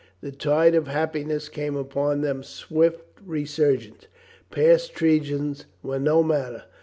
The tide of happiness came upon them swift resurgent. Past treasons were no matter.